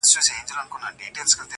تاوېده لكه زمرى وي چا ويشتلى!.